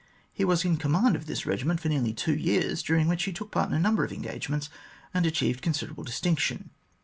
He was in command of this regiment for nearly two years, during which he took part in a number of engagements and achieved considerable distinction.